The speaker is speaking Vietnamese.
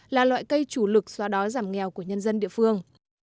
là loại cây chủ lực xóa đói giảm nghèo của nhân dân địa phương